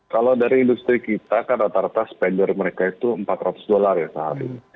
kalau dari industri kita kan rata rata spender mereka itu empat ratus dollar ya sehari